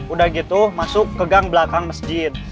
udah gitu masuk ke gang belakang masjid